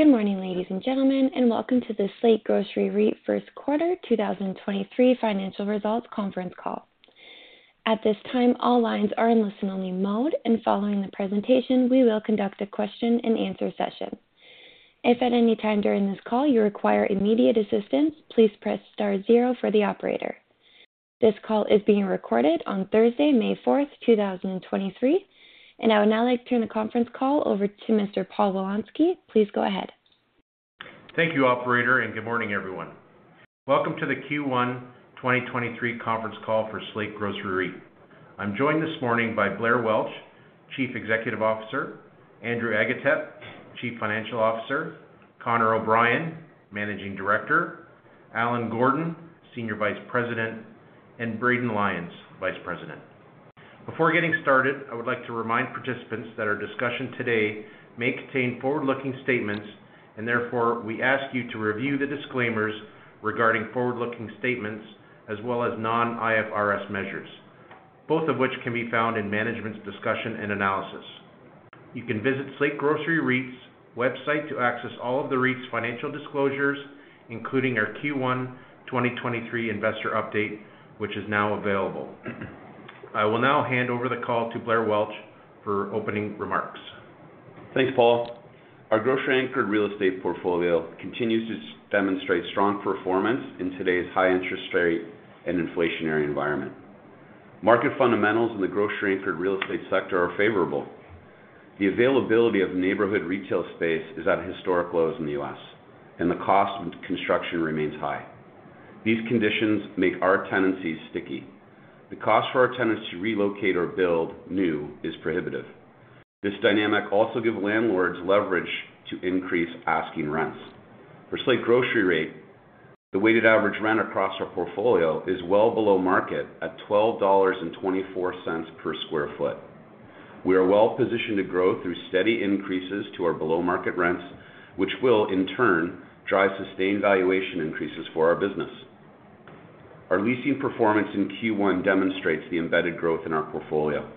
Good morning, ladies and gentlemen, welcome to the Slate Grocery REIT First Quarter 2023 Financial Results Conference Call. At this time, all lines are in listen-only mode, following the presentation, we will conduct a question-and-answer session. If at any time during this call you require immediate assistance, please press star zero for the operator. This call is being recorded on Thursday, May 4, 2023. I would now like to turn the conference call over to Mr. Paul Zagaria. Please go ahead. Thank you, operator. Good morning, everyone. Welcome to the Q1 2023 conference call for Slate Grocery REIT. I'm joined this morning by Blair Welch, Chief Executive Officer; Andrew Agatep, Chief Financial Officer; Connor O'Brien, Managing Director; Allan Gordon, Senior Vice President; and Braden Lyons, Vice President. Before getting started, I would like to remind participants that our discussion today may contain forward-looking statements, and therefore we ask you to review the disclaimers regarding forward-looking statements as well as non-IFRS measures, both of which can be found in management's discussion and analysis. You can visit Slate Grocery REIT's website to access all of the REIT's financial disclosures, including our Q1 2023 investor update, which is now available. I will now hand over the call to Blair Welch for opening remarks. Thanks, Paul. Our grocery-anchored real estate portfolio continues to demonstrate strong performance in today's high interest rate and inflationary environment. Market fundamentals in the grocery-anchored real estate sector are favorable. The availability of neighborhood retail space is at historic lows in the U.S., and the cost of construction remains high. These conditions make our tenancies sticky. The cost for our tenants to relocate or build new is prohibitive. This dynamic also give landlords leverage to increase asking rents. For Slate Grocery REIT, the weighted average rent across our portfolio is well below market at $12.24 per square foot. We are well positioned to grow through steady increases to our below-market rents, which will in turn drive sustained valuation increases for our business. Our leasing performance in Q1 demonstrates the embedded growth in our portfolio.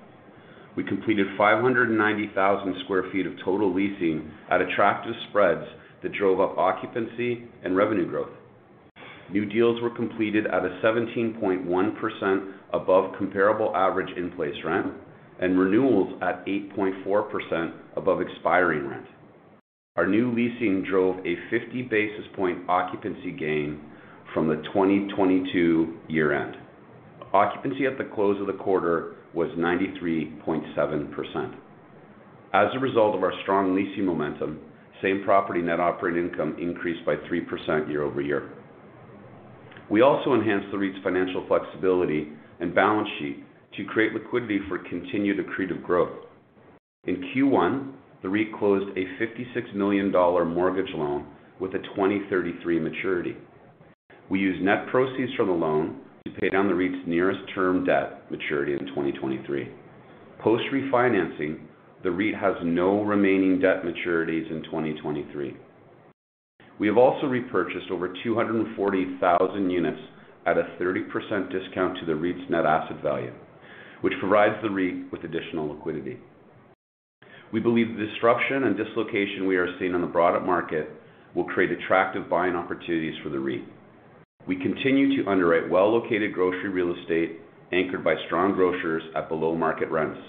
We completed 590,000 sq ft of total leasing at attractive spreads that drove up occupancy and revenue growth. New deals were completed at a 17.1% above comparable average in-place rent, and renewals at 8.4% above expiring rent. Our new leasing drove a 50 basis point occupancy gain from the 2022 year end. Occupancy at the close of the quarter was 93.7%. As a result of our strong leasing momentum, same property net operating income increased by 3% year-over-year. We also enhanced the REIT's financial flexibility and balance sheet to create liquidity for continued accretive growth. In Q1, the REIT closed a $56 million mortgage loan with a 2033 maturity. We used net proceeds from the loan to pay down the REIT's nearest term debt maturity in 2023. Post-refinancing, the REIT has no remaining debt maturities in 2023. We have also repurchased over 240,000 units at a 30% discount to the REIT's net asset value, which provides the REIT with additional liquidity. We believe the disruption and dislocation we are seeing on the broader market will create attractive buying opportunities for the REIT. We continue to underwrite well-located grocery real estate anchored by strong grocers at below market rents.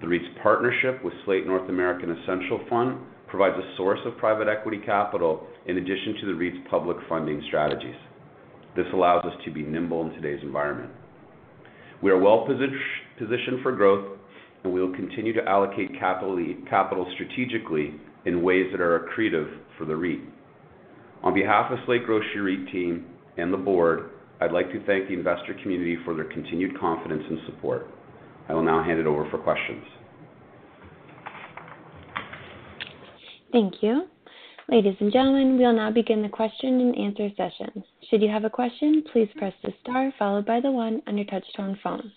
The REIT's partnership with Slate North American Essential Fund provides a source of private equity capital in addition to the REIT's public funding strategies. This allows us to be nimble in today's environment. We are well positioned for growth, we will continue to allocate capital strategically in ways that are accretive for the REIT. On behalf of Slate Grocery REIT team and the board, I'd like to thank the investor community for their continued confidence and support. I will now hand it over for questions. Thank you. Ladies and gentlemen, we'll now begin the question-and-answer session. Should you have a question, please press the star followed by the one on your touch-tone phone.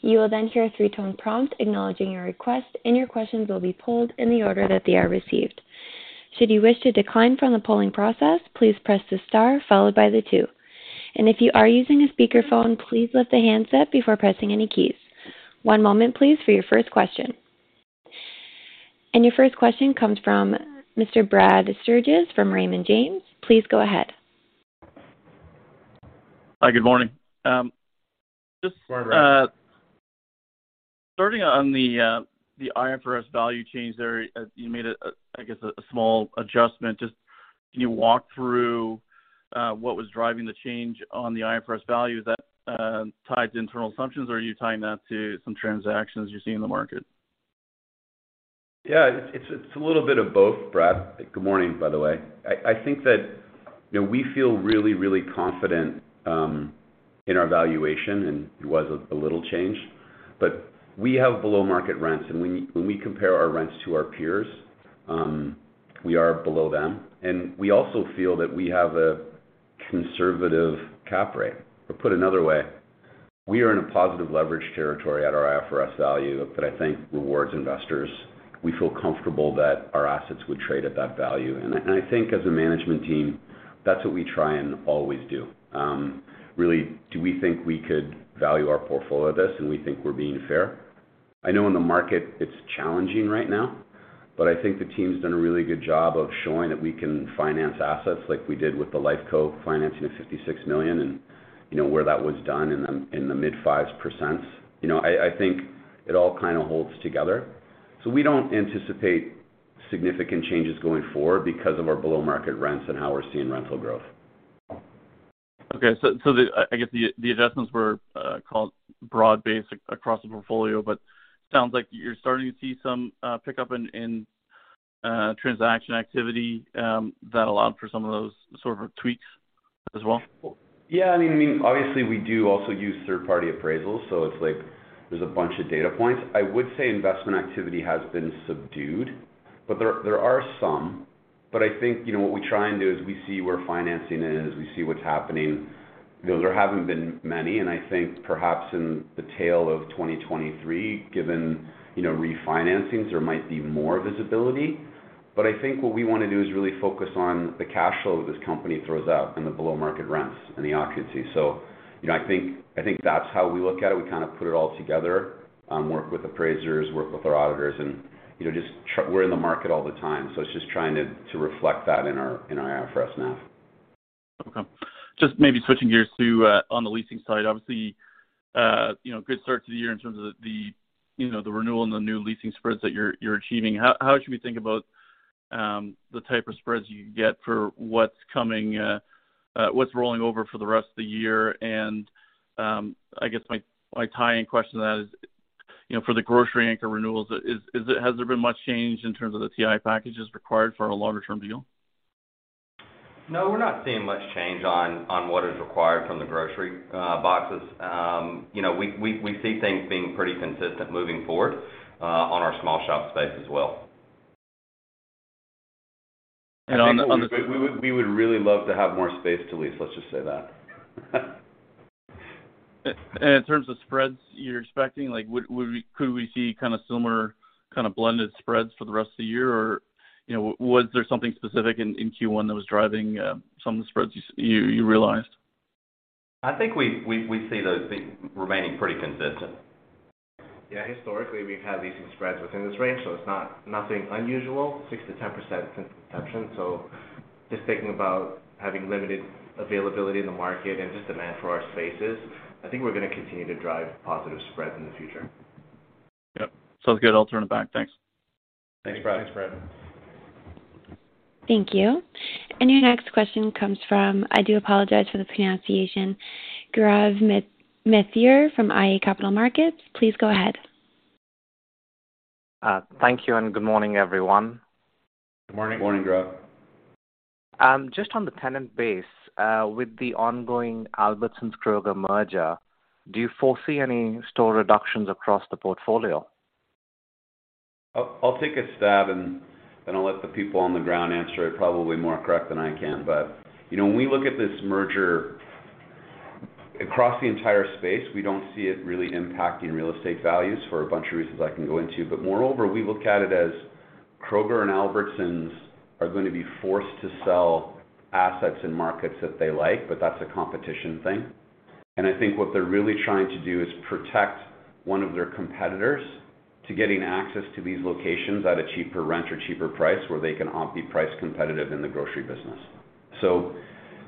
You will then hear a three tone prompt acknowledging your request, and your questions will be pooled in the order that they are received. Should you wish to decline from the polling process, please press the star followed by the two. If you are using a speakerphone, please lift the handset before pressing any keys. one moment, please, for your first question. Your first question comes from Mr. Brad Sturges from Raymond James. Please go ahead. Hi. Good morning. Good morning, Brad. Starting on the IFRS value change there, you made a, I guess, a small adjustment. Just can you walk through what was driving the change on the IFRS value? Is that tied to internal assumptions, or are you tying that to some transactions you see in the market? Yeah, it's a little bit of both, Brad. Good morning, by the way. I think that, you know, we feel really confident in our valuation, and it was a little change. We have below market rents. When we compare our rents to our peers, we are below them. We also feel that we have a conservative cap rate. Put another way, we are in a positive leverage territory at our IFRS value that I think rewards investors. We feel comfortable that our assets would trade at that value. I think as a management team, that's what we try and always do. Really do we think we could value our portfolio this, and we think we're being fair? I know in the market it's challenging right now, but I think the team's done a really good job of showing that we can finance assets like we did with the Life Co financing of $56 million, and, you know, where that was done in the, in the mid 5%. You know, I think it all kind of holds together. We don't anticipate significant changes going forward because of our below-market rents and how we're seeing rental growth. I guess the adjustments were called broad-based across the portfolio, but sounds like you're starting to see some pickup in transaction activity that allowed for some of those sort of tweaks as well. Yeah. I mean, obviously we do also use third-party appraisals, so it's like there's a bunch of data points. I would say investment activity has been subdued, but there are some. I think, you know, what we try and do is we see where financing is, we see what's happening. There haven't been many, and I think perhaps in the tail of 2023, given, you know, refinancings, there might be more visibility. I think what we wanna do is really focus on the cash flow that this company throws out and the below-market rents and the occupancy. You know, I think that's how we look at it. We kind of put it all together, work with appraisers, work with our auditors and, you know, just we're in the market all the time, so it's just trying to reflect that in our, in our IFRS now. Okay. Just maybe switching gears to on the leasing side. Obviously, you know, good start to the year in terms of the, you know, the renewal and the new leasing spreads that you're achieving. How should we think about the type of spreads you get for what's coming, what's rolling over for the rest of the year? I guess my tie-in question to that is, you know, for the grocery anchor renewals, has there been much change in terms of the TI packages required for a longer-term deal? No, we're not seeing much change on what is required from the grocery boxes. You know, we see things being pretty consistent moving forward on our small shop space as well. And on the, on the- We would really love to have more space to lease, let's just say that. In terms of spreads you're expecting, like, could we see kinda similar kinda blended spreads for the rest of the year? You know, was there something specific in Q1 that was driving some of the spreads you realized? I think we see those things remaining pretty consistent. Historically, we've had leasing spreads within this range, so it's not nothing unusual, 6%-10% since inception. Just thinking about having limited availability in the market and just demand for our spaces, I think we're gonna continue to drive positive spreads in the future. Yep. Sounds good. I'll turn it back. Thanks. Thanks, Brad. Thanks, Brad. Thank you. your next question comes from, I do apologize for the pronunciation, Gaurav Mathur from iA Capital Markets. Please go ahead. Thank you and good morning, everyone. Good morning. Good morning, Grav. Just on the tenant base, with the ongoing Albertsons-Kroger merger, do you foresee any store reductions across the portfolio? I'll take a stab and I'll let the people on the ground answer it probably more correct than I can. You know, when we look at this merger, across the entire space, we don't see it really impacting real estate values for a bunch of reasons I can go into. Moreover, we look at it as Kroger and Albertsons are gonna be forced to sell assets in markets that they like, but that's a competition thing. I think what they're really trying to do is protect one of their competitors to getting access to these locations at a cheaper rent or cheaper price where they can off be price competitive in the grocery business.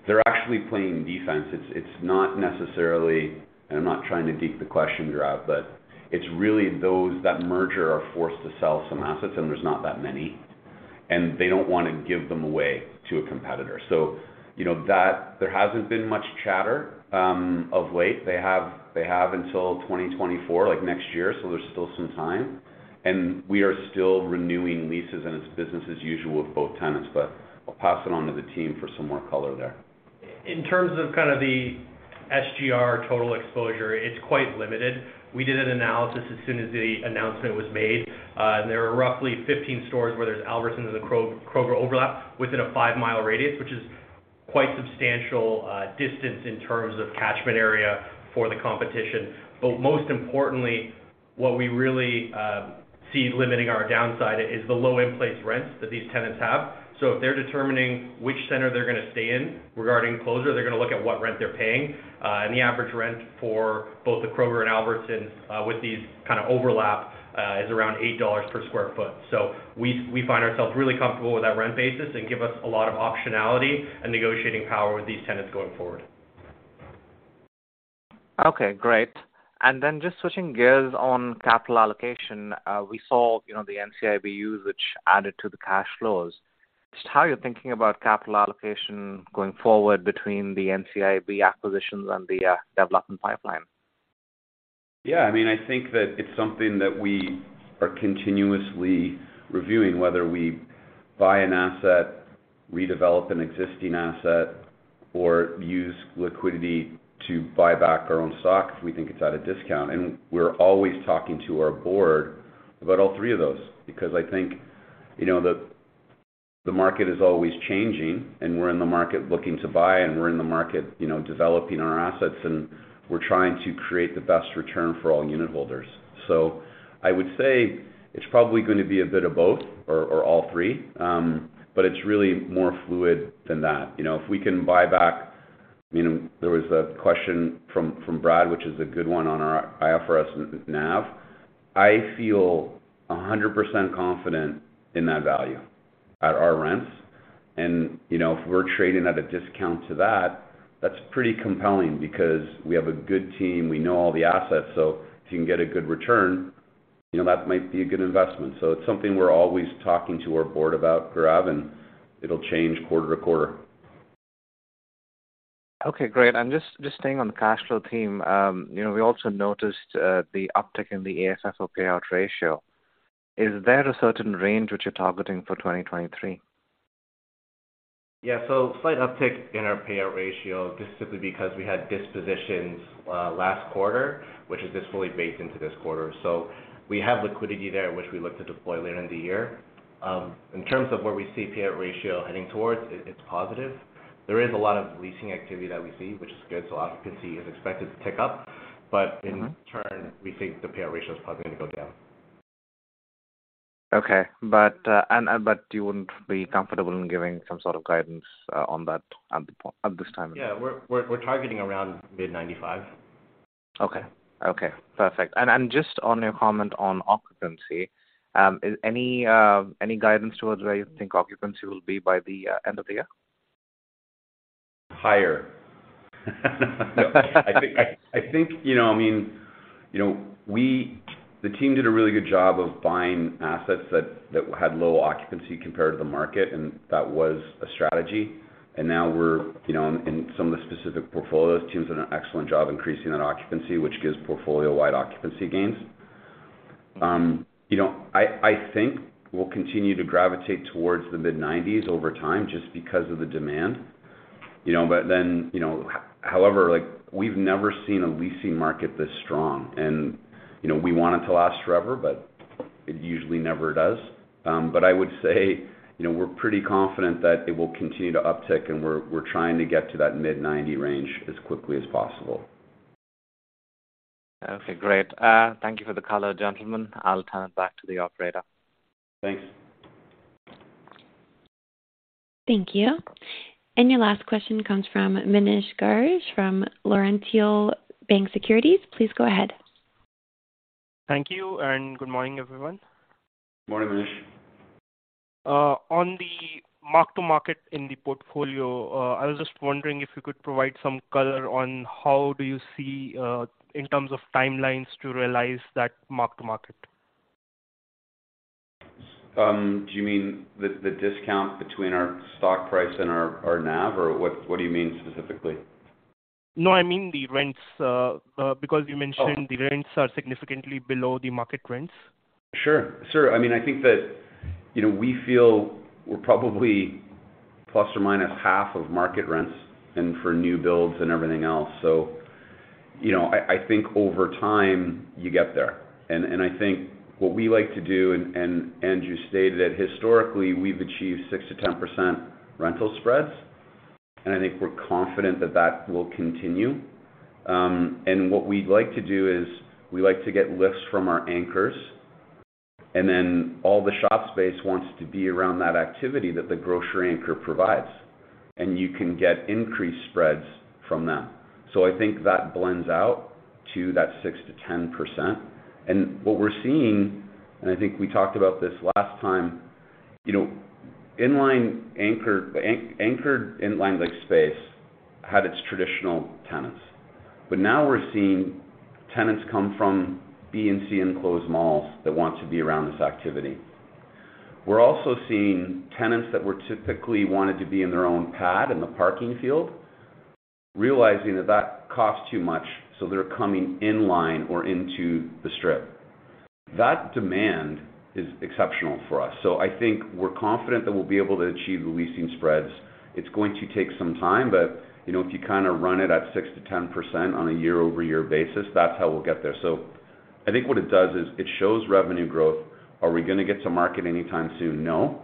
They're actually playing defense. It's not necessarily... I'm not trying to geek the question, Gaurav, but it's really those that merger are forced to sell some assets, and there's not that many, and they don't wanna give them away to a competitor. You know, that there hasn't been much chatter of late. They have until 2024, like next year, so there's still some time, and we are still renewing leases, and it's business as usual with both tenants. I'll pass it on to the team for some more color there. In terms of kind of the SGR total exposure, it's quite limited. We did an analysis as soon as the announcement was made, and there are roughly 15 stores where there's Albertsons and Kroger overlap within a five-mile radius, which is quite substantial distance in terms of catchment area for the competition. Most importantly, what we really see limiting our downside is the low in-place rents that these tenants have. If they're determining which center they're gonna stay in regarding closure, they're gonna look at what rent they're paying. And the average rent for both the Kroger and Albertsons, with these kind of overlap, is around $8 per square foot. We find ourselves really comfortable with that rent basis and give us a lot of optionality and negotiating power with these tenants going forward. Okay, great. Just switching gears on capital allocation. We saw, you know, the NCIB use, which added to the cash flows. Just how you're thinking about capital allocation going forward between the NCIB acquisitions and the development pipeline? Yeah. I mean, I think that it's something that we are continuously reviewing, whether we buy an asset, redevelop an existing asset, or use liquidity to buy back our own stock if we think it's at a discount. We're always talking to our board about all three of those because I think, you know, the market is always changing, and we're in the market looking to buy, and we're in the market, you know, developing our assets, and we're trying to create the best return for all unitholders. I would say it's probably going to be a bit of both or all three. It's really more fluid than that. You know, there was a question from Brad, which is a good one, on our IFRS NAV. I feel 100% confident in that value at our rents. You know, if we're trading at a discount to that's pretty compelling because we have a good team. We know all the assets. If you can get a good return, you know, that might be a good investment. It's something we're always talking to our board about, Gaurav, and it'll change quarter-to-quarter. Okay, great. Just staying on the cash flow theme, you know, we also noticed the uptick in the AFFO payout ratio. Is there a certain range which you're targeting for 2023? Slight uptick in our payout ratio, just simply because we had dispositions last quarter, which is just fully baked into this quarter. We have liquidity there, which we look to deploy later in the year. In terms of where we see payout ratio heading towards, it's positive. There is a lot of leasing activity that we see, which is good, so occupancy is expected to tick up. Mm-hmm. In turn, we think the payout ratio is probably gonna go down. You wouldn't be comfortable in giving some sort of guidance on that at this time? Yeah. We're targeting around mid-95. Okay, perfect. Just on your comment on occupancy, is any guidance towards where you think occupancy will be by the end of the year? Higher. No, I think, I think, you know, I mean, you know, the team did a really good job of buying assets that had low occupancy compared to the market, and that was a strategy. Now we're, you know, in some of the specific portfolios, the team's done an excellent job increasing that occupancy, which gives portfolio-wide occupancy gains. You know, I think we'll continue to gravitate towards the mid-90s over time just because of the demand, you know. However, like we've never seen a leasing market this strong and, you know, we want it to last forever, but it usually never does. But I would say, you know, we're pretty confident that it will continue to uptick, and we're trying to get to that mid-90 range as quickly as possible. Okay, great. Thank you for the color, gentlemen. I'll turn it back to the operator. Thanks. Thank you. Your last question comes from Manish Garg from Laurentian Bank Securities. Please go ahead. Thank you, good morning, everyone. Morning, Manish. On the mark-to-market in the portfolio, I was just wondering if you could provide some color on how do you see, in terms of timelines to realize that mark-to-market? Do you mean the discount between our stock price and our NAV, or what do you mean specifically? No, I mean the rents, because you mentioned- Oh. The rents are significantly below the market rents. Sure. Sure. I mean, I think that, you know, we feel we're probably plus or minus half of market rents and for new builds and everything else. You know, I think over time you get there. I think what we like to do and Andrew stated it, historically, we've achieved 6%-10% rental spreads, and I think we're confident that that will continue. What we like to do is we like to get lifts from our anchors, and then all the shop space wants to be around that activity that the grocery anchor provides, and you can get increased spreads from them. I think that blends out to that 6%-10%. What we're seeing, and I think we talked about this last time, you know, inline anchored inline like space had its traditional tenants, but now we're seeing tenants come from B and C enclosed malls that want to be around this activity. We're also seeing tenants that were typically wanted to be in their own pad in the parking field, realizing that that costs too much, so they're coming in line or into the strip. That demand is exceptional for us. I think we're confident that we'll be able to achieve the leasing spreads. It's going to take some time, but, you know, if you kind of run it at 6%-10% on a year-over-year basis, that's how we'll get there. I think what it does is it shows revenue growth. Are we gonna get to market anytime soon? No,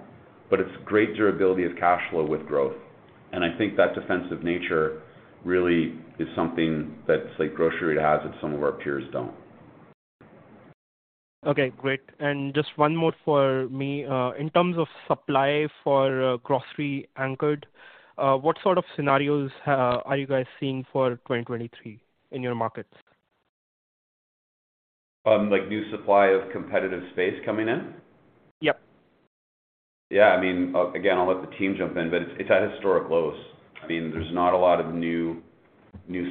but it's great durability of cash flow with growth, and I think that defensive nature really is something that, say, grocery has that some of our peers don't. Okay, great. Just one more for me. In terms of supply for grocery anchored, what sort of scenarios are you guys seeing for 2023 in your markets? Like new supply of competitive space coming in? Yep. Yeah. I mean, again, I'll let the team jump in, but it's at historic lows. I mean, there's not a lot of new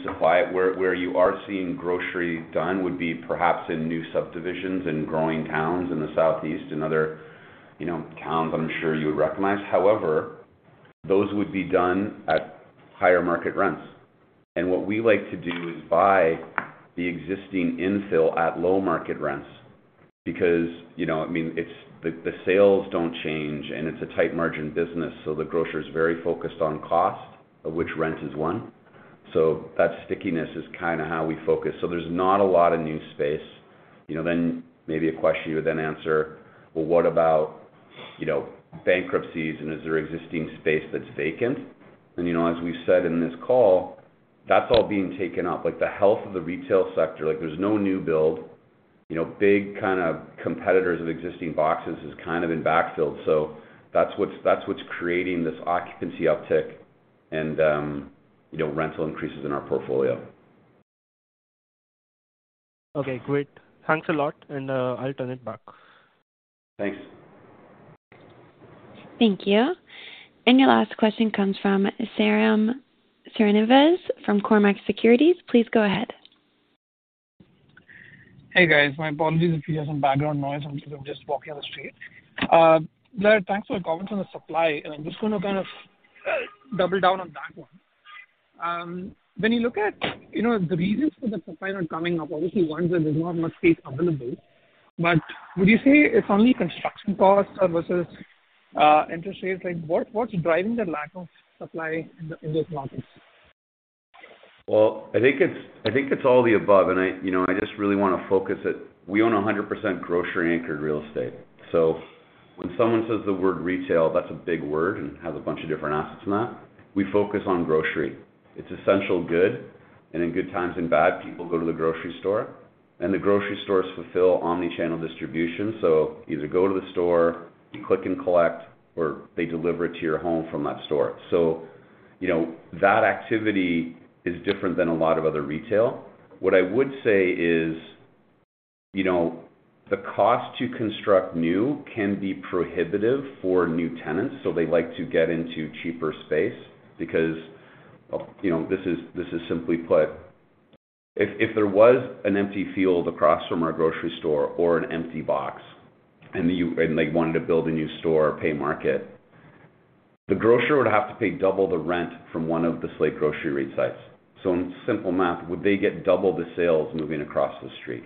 supply. Where you are seeing grocery done would be perhaps in new subdivisions and growing towns in the southeast and other, you know, towns I'm sure you would recognize. However, those would be done at higher market rents. What we like to do is buy the existing infill at low market rents because, you know, I mean, the sales don't change, and it's a tight margin business, so the grocer is very focused on cost, of which rent is one. That stickiness is kinda how we focus. There's not a lot of new space. Maybe a question you would then answer, well, what about, you know, bankruptcies, and is there existing space that's vacant? You know, as we've said in this call, that's all being taken up, like the health of the retail sector, like there's no new build. You know, big kind of competitors of existing boxes has kind of been backfilled. That's what's, that's what's creating this occupancy uptick and, you know, rental increases in our portfolio. Okay, great. Thanks a lot. I'll turn it back. Thanks. Thank you. Your last question comes from Sairam Srinivas from Cormark Securities. Please go ahead. Hey, guys. My apologies if you hear some background noise. I'm just walking on the street. Blair, thanks for your comments on the supply. I'm just gonna kind of double down on that one. When you look at, you know, the reasons for the supply not coming up, obviously one is there's not much space available, but would you say it's only construction costs versus, interest rates? Like, what's driving the lack of supply in the, in those markets? Well, I think it's all the above. I, you know, I just really wanna focus it. We own 100% grocery anchored real estate. When someone says the word retail, that's a big word and has a bunch of different assets in that. We focus on grocery. It's essential good. In good times and bad, people go to the grocery store. The grocery stores fulfill omni-channel distribution. Either go to the store, you click and collect, or they deliver it to your home from that store. You know, that activity is different than a lot of other retail. What I would say is, you know, the cost to construct new can be prohibitive for new tenants, so they like to get into cheaper space because of... You know, this is simply put, if there was an empty field across from our grocery store or an empty box, and they wanted to build a new store or pay market, the grocer would have to pay double the rent from one of the Slate Grocery REIT sites. In simple math, would they get double the sales moving across the street?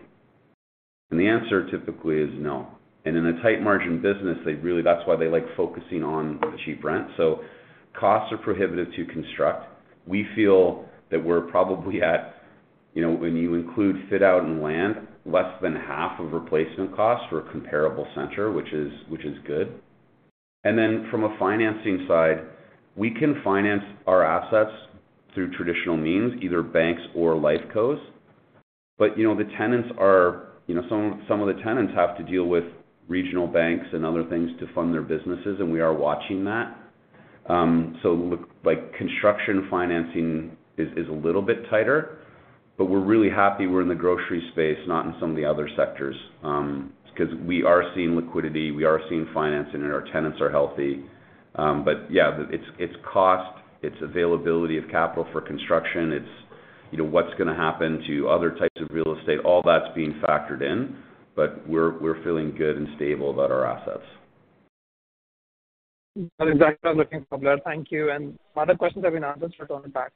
The answer typically is no. In a tight margin business, that's why they like focusing on the cheap rent. Costs are prohibitive to construct. We feel that we're probably at, you know, when you include fit out and land, less than half of replacement costs for a comparable center, which is good. From a financing side, we can finance our assets through traditional means, either banks or Life Cos. You know, the tenants are, you know, some of the tenants have to deal with regional banks and other things to fund their businesses, and we are watching that. Look like construction financing is a little bit tighter, but we're really happy we're in the grocery space, not in some of the other sectors, because we are seeing liquidity, we are seeing financing, and our tenants are healthy. Yeah, it's cost, it's availability of capital for construction, it's, you know, what's gonna happen to other types of real estate. All that's being factored in, but we're feeling good and stable about our assets. That is exactly what I'm looking for, Blair. Thank you. My other questions have been answered, so turn it back.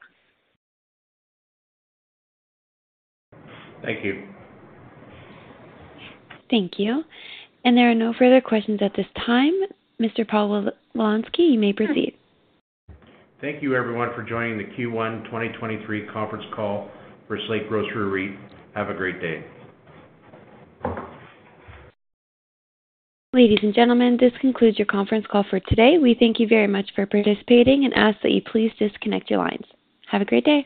Thank you. Thank you. There are no further questions at this time. Mr. Paul Zagaria, you may proceed. Thank you everyone for joining the Q1 2023 conference call for Slate Grocery REIT. Have a great day. Ladies and gentlemen, this concludes your conference call for today. We thank you very much for participating and ask that you please disconnect your lines. Have a great day.